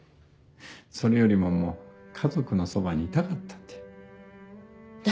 それよりも家族のそばにいたかったんだ。